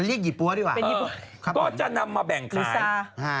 เรียกหยิบปั๊วดีกว่าเป็นหยิบปั๊วครับผมอุตสาห์